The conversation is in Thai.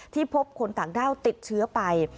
พบคนต่างด้าวติดเชื้อไป